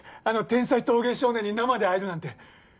あの天才陶芸少年に生で会えるなんて。